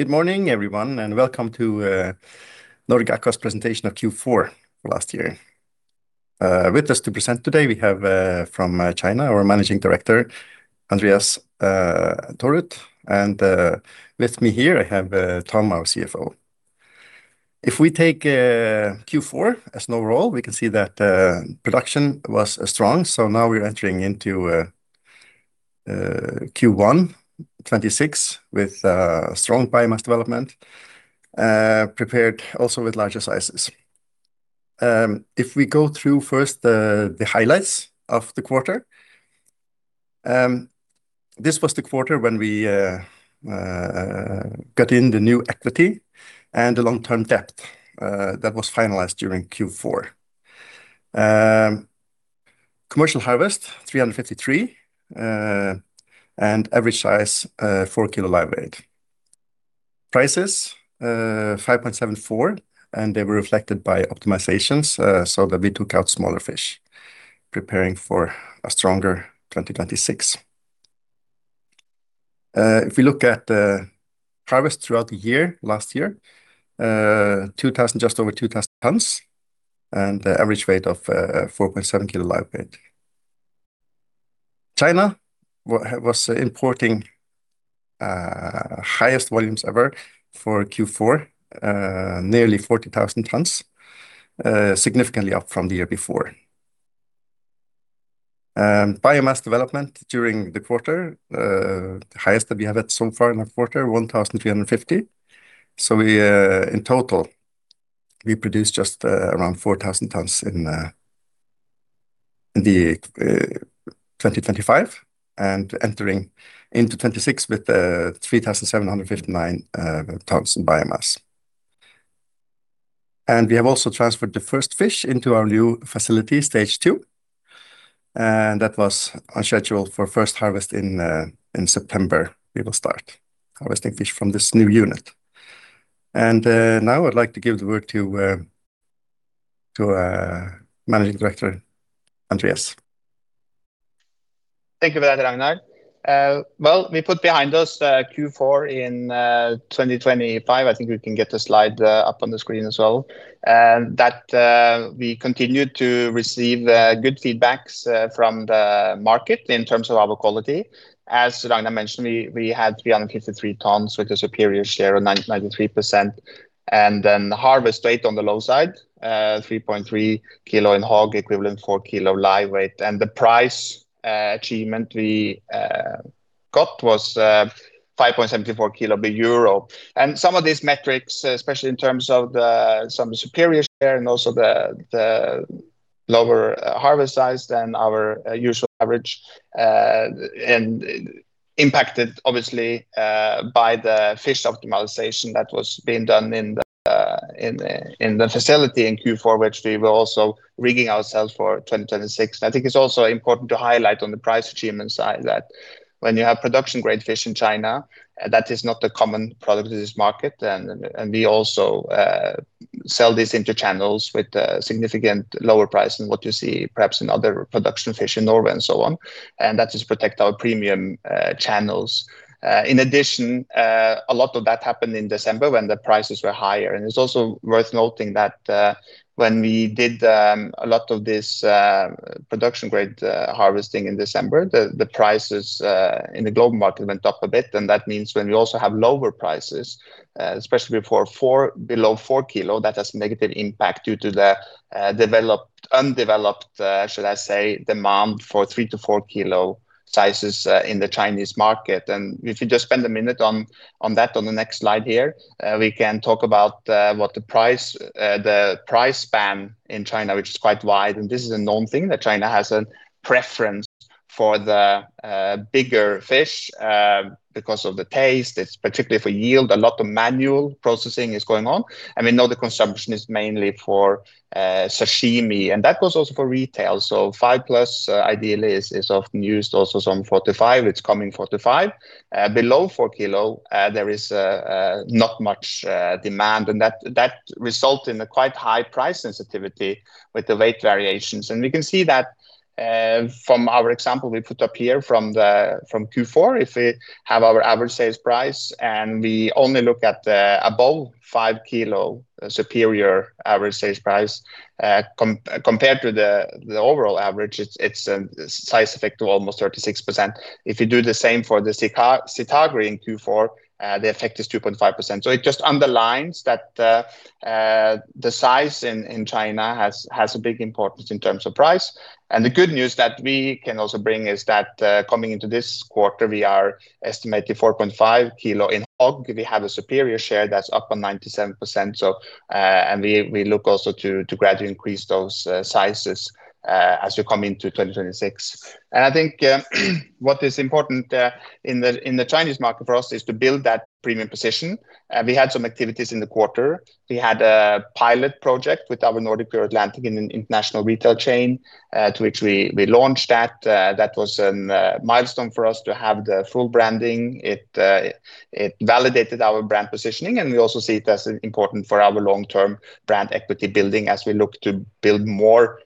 Good morning, everyone, and welcome to Nordic Aqua Partners' presentation of Q4 last year. With us to present today, we have from China, our Managing Director, Andreas Thorud, and with me here, I have Tom, our CFO. If we take Q4 as an overall, we can see that production was strong. Now we're entering into Q1 2026 with strong biomass development, prepared also with larger sizes. If we go through first the highlights of the quarter, this was the quarter when we got in the new equity and the long-term debt that was finalized during Q4. Commercial harvest: 353 tons, and average size: 4 kg live weight. Prices, 5.74, and they were reflected by optimizations, so that we took out smaller fish, preparing for a stronger 2026. If we look at the harvest throughout the year, last year, just over 2,000 tons, and the average weight of 4.7 kg live weight. China was importing highest volumes ever for Q4, nearly 40,000 tons, significantly up from the year before. Biomass development during the quarter, the highest that we have had so far in a quarter, 1,350 tons. We, in total, we produced just around 4,000 tons in 2025, and entering into 2026 with 3,759 tons in biomass. We have also transferred the first fish into our new facility, Stage 2, and that was on schedule for first harvest in September. We will start harvesting fish from this new unit. Now I'd like to give the word to Managing Director, Andreas. Thank you for that, Ragnar. Well, we put behind us Q4 in 2025. I think we can get the slide up on the screen as well. We continued to receive good feedbacks from the market in terms of our quality. As Ragnar mentioned, we had 353 tons, with a superior share of 93%. The harvest weight was on the low side: 3.3 kg HOG, equivalent to 4 kg live weight. The price achievement we got was 5.74 per kg. Some of these metrics, especially in terms of the superior share and also the lower harvest size than our usual average, impacted obviously by the fish optimization that was being done in the facility in Q4, which we were also rigging ourselves for 2026. I think it's also important to highlight on the price achievement side, that when you have production-grade fish in China, that is not the common product in this market. We also sell this into channels with significant lower price than what you see, perhaps in other production fish in Norway and so on. That just protect our premium channels. In addition, a lot of that happened in December when the prices were higher. It's also worth noting that when we did a lot of this production grade harvesting in December, the prices in the global market went up a bit. That means when we also have lower prices, especially for 4 kg, that has negative impact due to the undeveloped, should I say, demand for 3 kg to 4 kg sizes in the Chinese market. If you just spend one minute on that, on the next slide here, we can talk about what the price, the price span in China, which is quite wide. This is a known thing, that China has a preference for the bigger fish because of the taste. It's particularly for yield. A lot of manual processing is going on. We know the consumption is mainly for sashimi, and that goes also for retail. 5+, ideally, is often used also some 45, it's coming 45. Below 4 kg, there is not much demand, and that result in a quite high price sensitivity with the weight variations. We can see that from our example we put up here from Q4, if we have our average sales price, and we only look at the above 5 kg superior average sales price, compared to the overall average, it's a size effect of almost 36%. If you do the same for the Sitagri in Q4, the effect is 2.5%. It just underlines that the size in China has a big importance in terms of price. The good news that we can also bring is that coming into this quarter, we are estimating 4.5 kg in HOG. We have a superior share that's up on 97%. We look also to gradually increase those sizes as we come into 2026. I think, what is important in the Chinese market for us, is to build that premium position. We had some activities in the quarter. We had a pilot project with our Nordic PureAtlantic in an international retail chain, to which we launched that. That was a milestone for us to have the full branding. It validated our brand positioning, and we also see it as important for our long-term brand equity building as we look to build more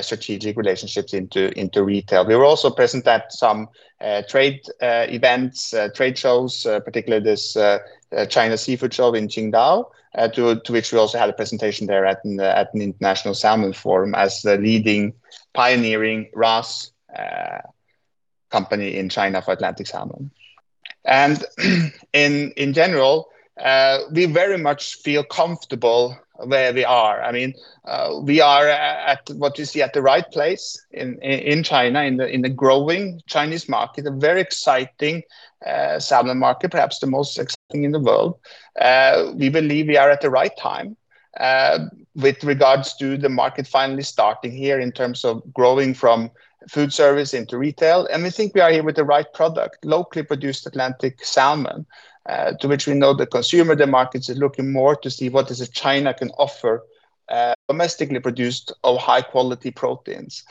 strategic relationships into retail. We were also present at trade events, trade shows, particularly this China Seafood Show in Qingdao, to which we also had a presentation there at an International Salmon Forum as the leading pioneering RAS company in China for Atlantic Salmon. In general, we very much feel comfortable where we are. I mean, we are at what you see at the right place in China, in the growing Chinese market. A very exciting salmon market, perhaps the most exciting in the world. We believe we are at the right time, with regards to the market finally starting here in terms of growing from food service into retail. We think we are here with the right product, locally produced Atlantic Salmon, to which we know the consumer, the markets, are looking more to see what is it China can offer, domestically produced of high-quality proteins.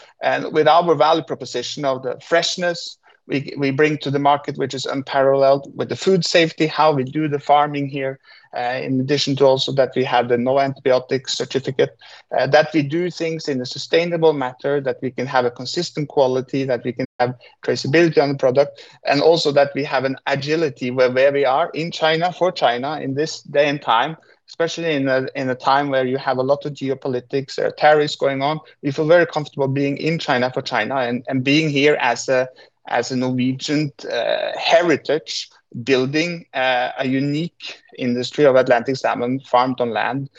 With our value proposition of the freshness we bring to the market, which is unparalleled with the food safety, how we do the farming here, in addition to also that we have the no antibiotics certificate. That we do things in a sustainable manner, that we can have a consistent quality, that we can have traceability on the product, and also that we have an agility where we are in China, for China, in this day and time, especially in a time where you have a lot of geopolitics or tariffs going on. We feel very comfortable being in China, for China, and being here as a Norwegian heritage, building a unique industry of Atlantic Salmon farmed on land,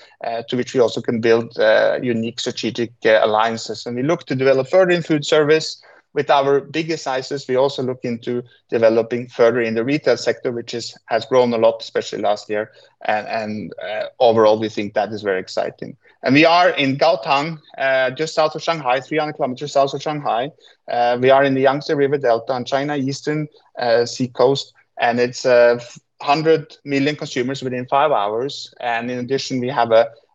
to which we also can build unique strategic alliances. We look to develop further in food service. With our bigger sizes, we also look into developing further in the retail sector, which has grown a lot, especially last year. Overall, we think that is very exciting. We are in Gaotang, just south of Shanghai, 300 km south of Shanghai. We are in the Yangtze River Delta in China, eastern sea coast, and it's 100 million consumers within five hours. In addition, we have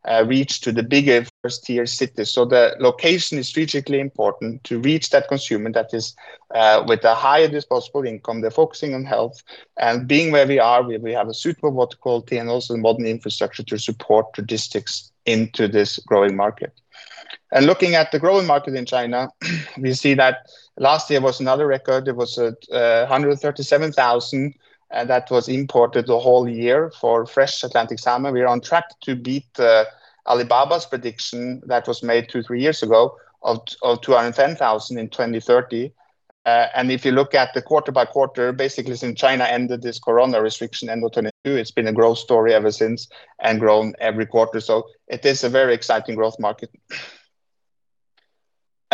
a reach to the bigger first-tier cities. The location is strategically important to reach that consumer that is with a higher disposable income. They're focusing on health. Being where we are, we have a suitable water quality and also modern infrastructure to support logistics into this growing market. Looking at the growing market in China, we see that last year was another record. It was at 137,000 tons, and that was imported the whole year for fresh Atlantic Salmon. We are on track to beat Alibaba's prediction that was made two, three years ago, of 210,000 tons in 2030. If you look at the quarter by quarter, basically since China ended this corona restriction end of 2022, it's been a growth story ever since and grown every quarter. It is a very exciting growth market.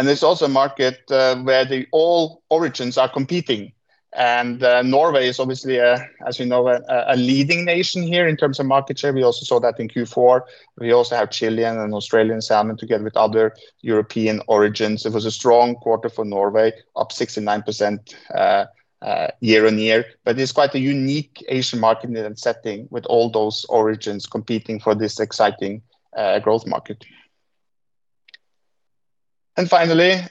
There's also a market where the all origins are competing. Norway is obviously a, as we know, a leading nation here in terms of market share. We also saw that in Q4. We also have Chilean and Australian salmon together with other European origins. It was a strong quarter for Norway, up 69% year-on-year. It's quite a unique Asian market and setting, with all those origins competing for this exciting growth market. Finally,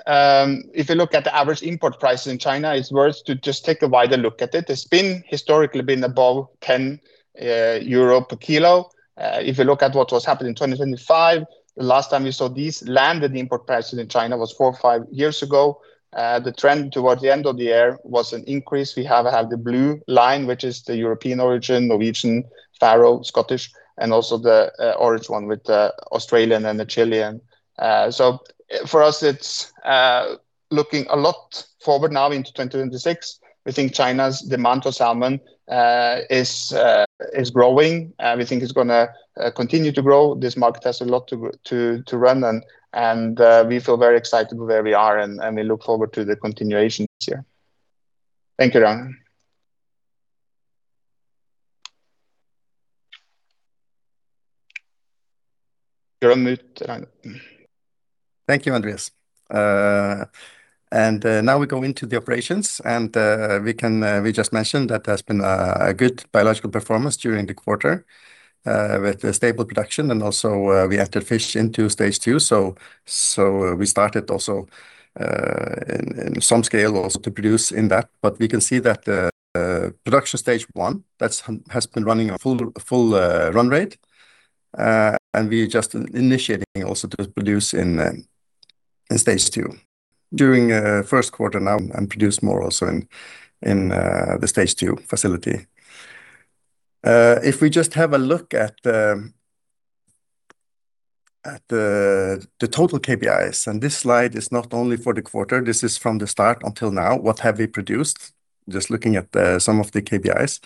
if you look at the average import price in China, it's worth to just take a wider look at it. It's been historically been above 10 euro per kg. If you look at what was happening in 2025, the last time you saw these landed import prices in China was four or five years ago. The trend towards the end of the year was an increase. We have the blue line, which is the European origin, Norwegian, Faroe, Scottish, and also the orange one with the Australian and the Chilean. So for us, it's looking a lot forward now into 2026. We think China's demand for salmon is growing, and we think it's gonna continue to grow. This market has a lot to run and we feel very excited where we are, and we look forward to the continuation this year. Thank you, Ragnar. You're on mute, Rag. Thank you, Andreas. Now we go into the operations, and we can. We just mentioned that there's been a good biological performance during the quarter, with a stable production, and also, we have to fish into Stage 2. We started also, in some scale, also to produce in that. We can see that the production Stage 1, that's has been running a full run rate. We just initiating also to produce in Stage 2. During first quarter now and produce more also in the Stage 2 facility. We just have a look at the total KPIs, and this slide is not only for the quarter, this is from the start until now. What have we produced? Just looking at some of the KPIs.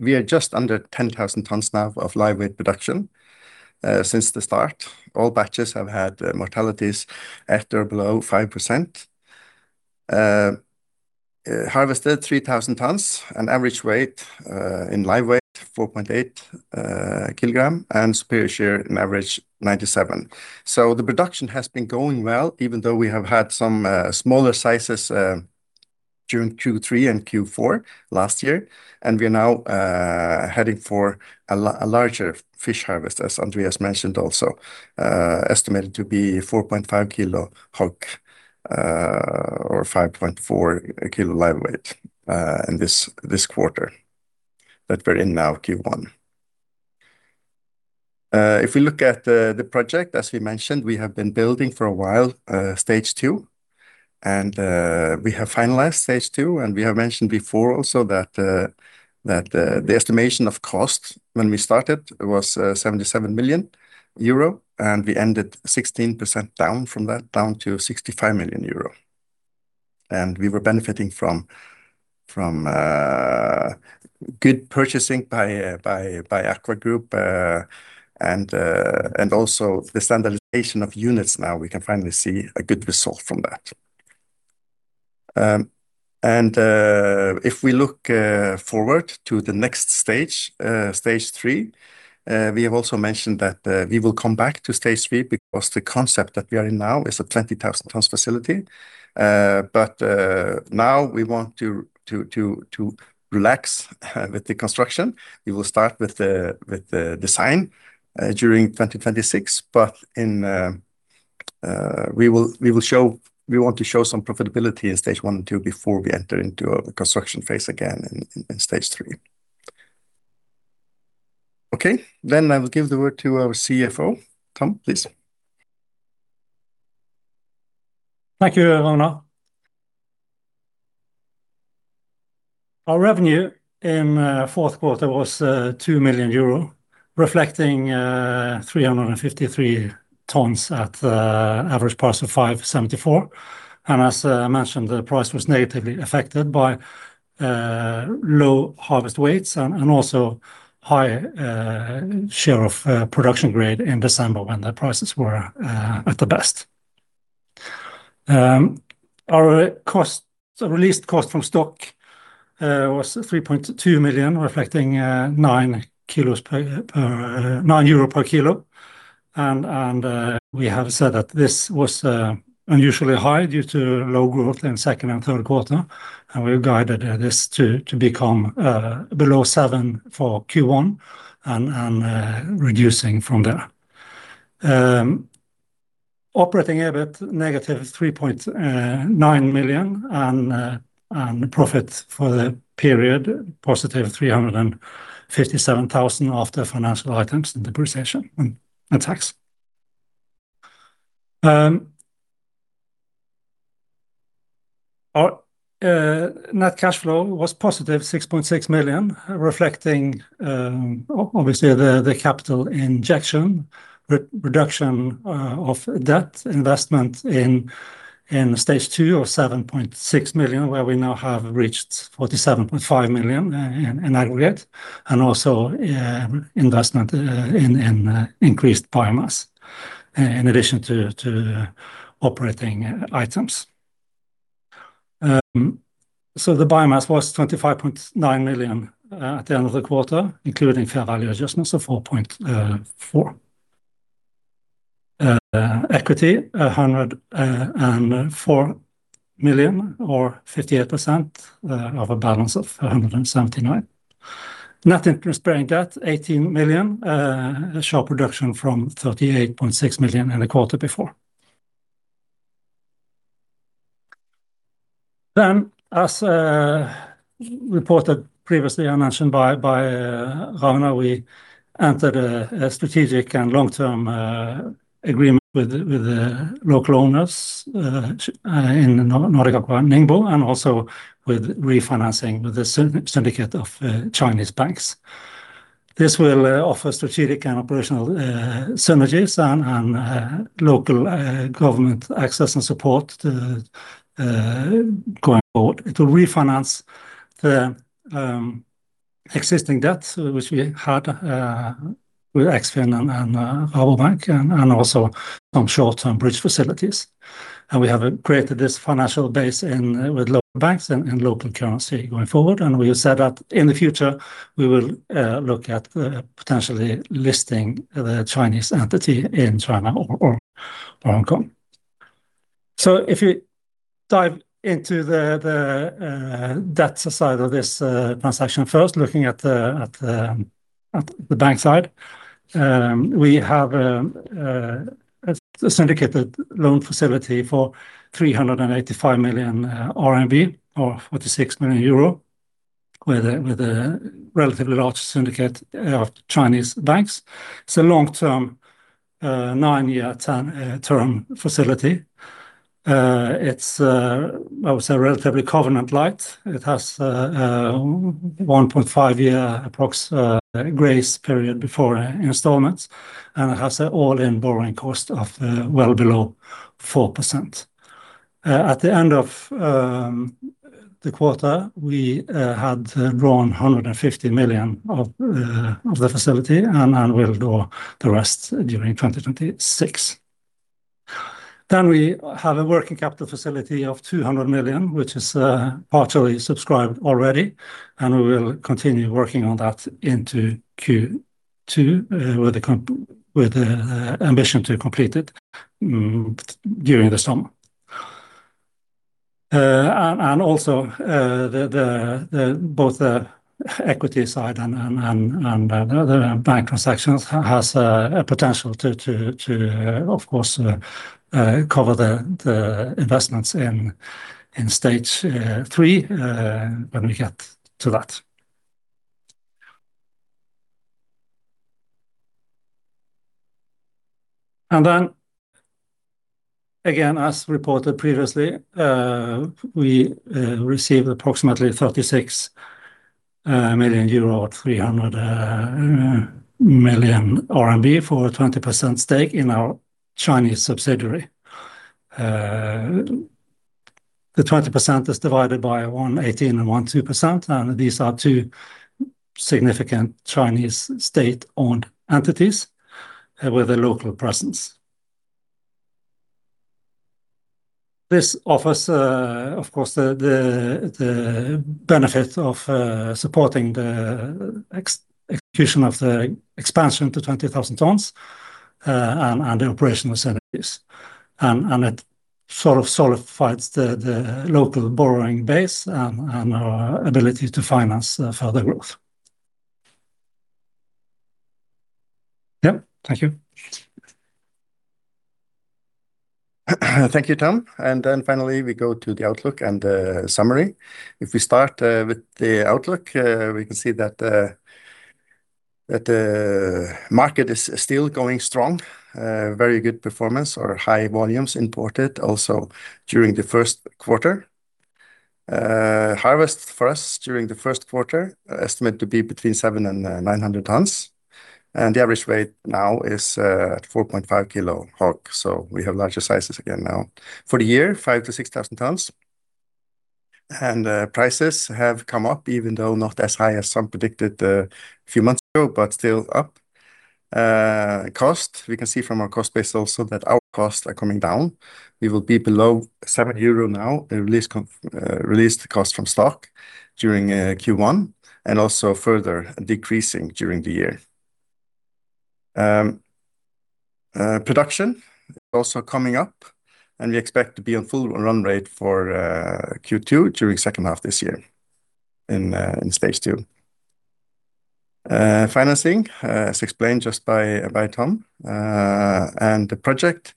We are just under 10,000 tonnes now of live weight production since the start. All batches have had mortalities at or below 5%. Harvested 3,000 tonnes, an average weight in live weight, 4.8 kg, and superior share in average, 97%. The production has been going well, even though we have had some smaller sizes during Q3 and Q4 last year. We are now heading for a larger fish harvest, as Andreas mentioned, also, estimated to be 4.5 kg HOG, or 5.4 kg live weight in this quarter that we're in now, Q1. If we look at the project, as we mentioned, we have been building for a while, Stage 2, and we have finalized Stage 2, and we have mentioned before also that the estimation of cost when we started was 77 million euro, and we ended 16% down from that, down to 65 million euro. We were benefiting from good purchasing by AKVA group, and also the standardization of units. Now, we can finally see a good result from that. If we look forward to the next stage, Stage 3, we have also mentioned that we will come back to Stage 3, because the concept that we are in now is a 20,000 tons facility. Now we want to relax with the construction. We will start with the design during 2026. We want to show some profitability in Stage 1 and 2 before we enter into a construction phase again in Stage 3. I will give the word to our CFO. Tom, please. Thank you, Ragnar. Our revenue in fourth quarter was 2 million euro, reflecting 353 tons at the average price of 5.74. As I mentioned, the price was negatively affected by low harvest weights and also high share of production grade in December, when the prices were at the best. Our cost, the released cost from stock, was 3.2 million, reflecting 9 kg per 9 euro per kg. We have said that this was unusually high due to low growth in second and third quarter, and we've guided this to become below 7 for Q1 and reducing from there. Operating EBIT, negative 3.9 million, and profit for the period, positive 357,000 after financial items, depreciation, and tax. Our net cash flow was positive 6.6 million, reflecting, obviously, the capital injection, reduction of debt investment in Stage 2 of 7.6 million, where we now have reached 47.5 million in aggregate, and also investment in increased biomass, in addition to operating items. The biomass was 25.9 million at the end of the quarter, including fair value adjustments of 4.4 million. Equity, 104 million, or 58% of a balance of 179 million. Net interest-bearing debt, 18 million, a sharp reduction from 38.6 million in the quarter before. As reported previously and mentioned by Ragnar, we entered a strategic and long-term agreement with the local owners in Nordic Aqua Ningbo, and also with refinancing with the syndicate of Chinese banks. This will offer strategic and operational synergies and local government access and support going forward. It will refinance the existing debt, which we had with Eksfin and Rabobank and also some short-term bridge facilities. We have created this financial base in, with local banks and local currency going forward, and we have said that in the future, we will look at potentially listing the Chinese entity in China or Hong Kong. If you dive into the debts side of this transaction, first, looking at the bank side, we have a syndicated loan facility for 385 million RMB, or 46 million euro, with a relatively large syndicate of Chinese banks. It's a long-term, nine-year term facility. It's, I would say, relatively covenant light. It has a 1.5-year grace period before installments, and it has an all-in borrowing cost of well below 4%. At the end of the quarter, we had drawn 150 million of the facility and will draw the rest during 2026. We have a working capital facility of 200 million, which is partially subscribed already, and we will continue working on that into Q2 with the ambition to complete it during the summer. Also, both the equity side and the bank transactions has a potential to of course cover the investments in Stage 3 when we get to that. As reported previously, we received approximately 36 million euro, or 300 million RMB for a 20% stake in our Chinese subsidiary. The 20% is divided by 18% and 12%, these are two significant Chinese state-owned entities with a local presence. This offers, of course, the benefit of supporting the execution of the expansion to 20,000 tons, and the operational synergies. It sort of solidifies the local borrowing base and our ability to finance further growth. Yep, thank you. Thank you, Tom. Then finally, we go to the outlook and the summary. If we start with the outlook, we can see that the market is still going strong. Very good performance or high volumes imported also during the first quarter. Harvest for us during the first quarter are estimated to be between 700 and 900 tons, and the average weight now is at 4.5 kg HOG, so we have larger sizes again now. For the year, 5,000 to 6,000 tons, and prices have come up, even though not as high as some predicted a few months ago, but still up. Cost, we can see from our cost base also that our costs are coming down. We will be below 7 euro now, the released cost from stock during Q1, and also further decreasing during the year. Production is also coming up, and we expect to be on full run rate for Q2 during second half this year in Stage 2. Financing, as explained just by Tom and the project,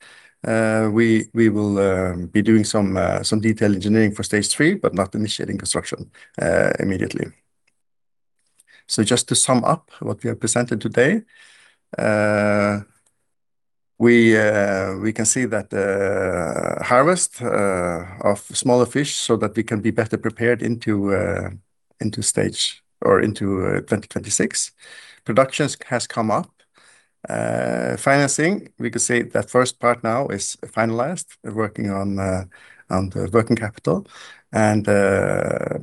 we will be doing some detailed engineering for Stage 3, but not initiating construction immediately. Just to sum up what we have presented today, we can see that the harvest of smaller fish so that we can be better prepared into stage or into 2026. Production has come up. Financing, we can say that first part now is finalized. We're working on the working capital, and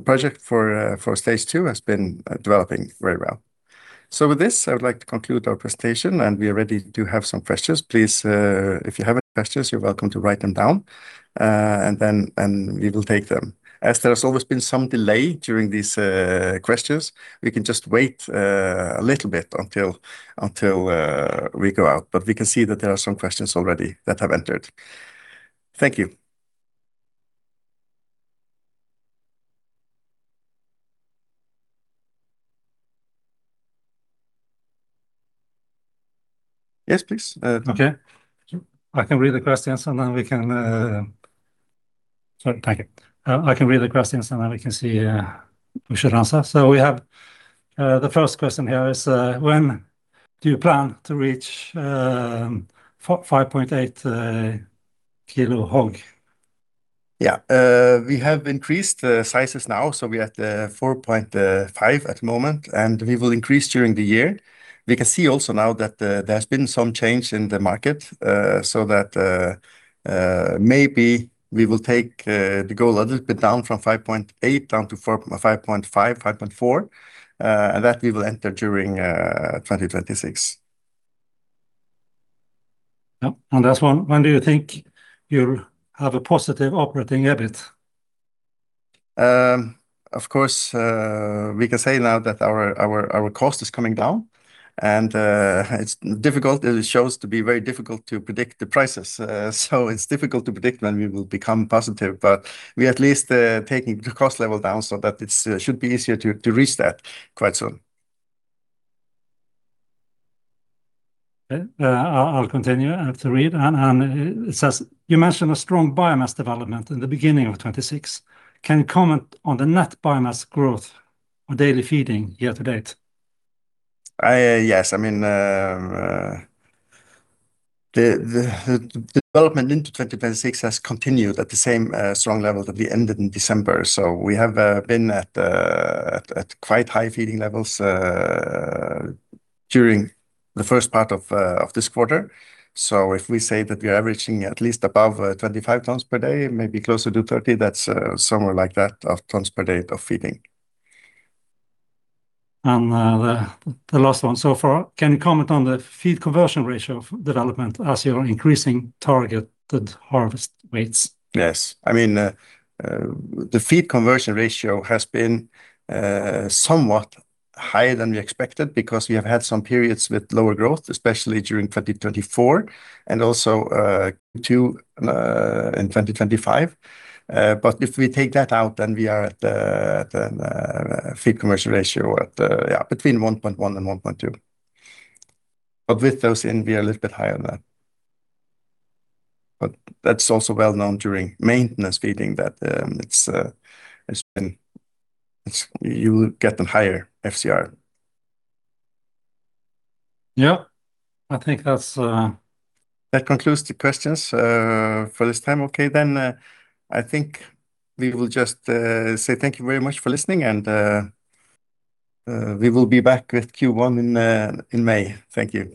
project for Stage 2 has been developing very well. With this, I would like to conclude our presentation, and we are ready to have some questions. Please, if you have any questions, you're welcome to write them down, and then, we will take them. There has always been some delay during these questions, we can just wait a little bit until we go out, we can see that there are some questions already that have entered. Thank you. Yes, please, okay. Sorry, thank you. I can read the questions, and then we can see, we should answer. We have the first question here is: "When do you plan to reach 5.8 kg HOG? We have increased the sizes now, so we're at 4.5 kg at the moment, and we will increase during the year. We can see also now that there has been some change in the market, that maybe we will take the goal a little bit down from 5.8 kg, down to 5.5kg, 5.4 kg, and that we will enter during 2026. Yep, last one: "When do you think you'll have a positive operating EBIT? Of course, we can say now that our cost is coming down, and it's difficult, it shows to be very difficult to predict the prices. It's difficult to predict when we will become positive, but we at least taking the cost level down so that it should be easier to reach that quite soon. I'll continue. I have to read, and it says, "You mentioned a strong biomass development in the beginning of 2026. Can you comment on the net biomass growth or daily feeding year to date? Yes, I mean, the development into 2026 has continued at the same strong level that we ended in December. We have been at quite high feeding levels during the first part of this quarter. If we say that we are averaging at least above 25 tons per day, maybe closer to 30, that's somewhere like that, of tons per day of feeding. The last one so far: "Can you comment on the feed conversion ratio of development as you're increasing targeted harvest weights? Yes. I mean, the feed conversion ratio has been somewhat higher than we expected because we have had some periods with lower growth, especially during 2024 and also Q2 in 2025. If we take that out, then we are at feed conversion ratio at yeah, between 1.1 and 1.2. With those in, we are a little bit higher than that. That's also well known during maintenance feeding that You will get a higher FCR. Yeah, I think that's. That concludes the questions for this time. I think we will just say thank you very much for listening, and we will be back with Q1 in May. Thank you.